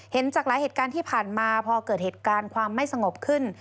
จากหลายเหตุการณ์ที่ผ่านมาพอเกิดเหตุการณ์ความไม่สงบขึ้น